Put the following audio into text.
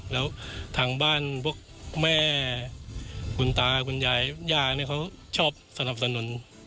แล้วทางบ้านพวกแม่คุณตาคุณยายย่าเนี่ยเขาชอบสนับสนุน